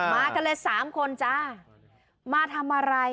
มากันเลยสามคนจ้ามาทำอะไร